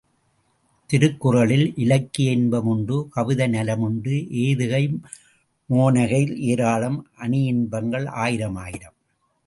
திருக்குறளில் இலக்கிய இன்பம் உண்டு கவிதை நலமுண்டு எதுகை மோனைகள் ஏராளம் அணியின்பங்கள் ஆயிரமாயிரம்.